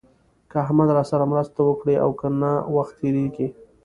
که احمد راسره مرسته وکړي او که نه وخت تېرېږي.